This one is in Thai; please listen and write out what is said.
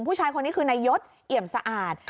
ผู้ชายคนนี้คือนายยศเอี่ยมสะอาด